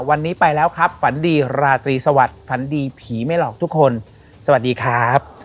วันนี้ไปแล้วครับฝันดีราตรีสวัสดิ์ฝันดีผีไม่หลอกทุกคนสวัสดีครับ